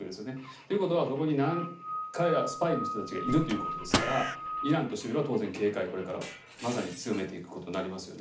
ということはスパイの人たちがいるということですからイランとしてみれば当然、警戒をこれからまさに強めていくことになりますよね。